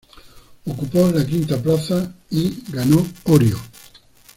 Ocupó la quinta plaza y ganó Orio.